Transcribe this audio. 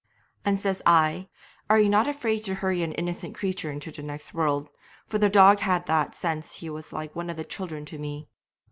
'And says I, "Are ye not afraid to hurry an innocent creature into the next world?" for the dog had that sense he was like one of the children to me.